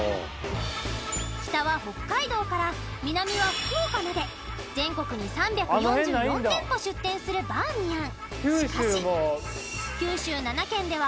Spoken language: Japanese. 北は北海道から南は福岡まで全国に３４４店舗出店するバーミヤン